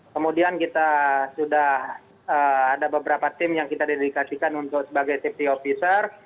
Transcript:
kemudian kita sudah ada beberapa tim yang kita dedikasikan untuk sebagai safety officer